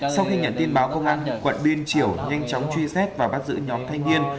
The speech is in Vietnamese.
sau khi nhận tin báo công an quận liên triểu nhanh chóng truy xét và bắt giữ nhóm thanh niên